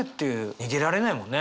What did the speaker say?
逃げられないもんね。